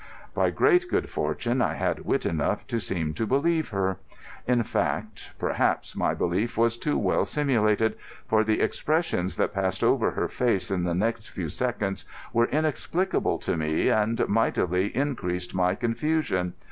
By great good fortune I had wit enough to seem to believe her. In fact, perhaps my belief was too well simulated, for the expressions that passed over her face in the next few seconds were inexplicable to me and mightily increased my confusion.